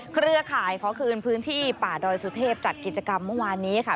เครือข่ายขอคืนพื้นที่ป่าดอยสุเทพจัดกิจกรรมเมื่อวานนี้ค่ะ